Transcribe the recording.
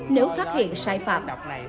nếu phát hiện sai phạm